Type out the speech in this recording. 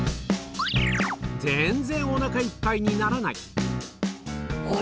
全然おなかいっぱいにならなあれ？